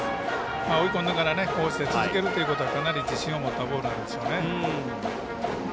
追い込んでから続けるということはかなり自信を持ったボールなんですよね。